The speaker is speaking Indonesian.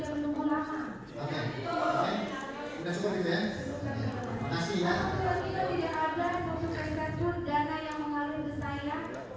untuk yang tidak ada untuk yang saya pun dana yang mengalir ke saya